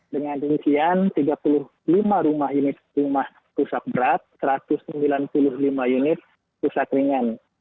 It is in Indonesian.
dengan rincian tiga puluh lima rumah rusak berat satu ratus sembilan puluh lima unit rusak ringan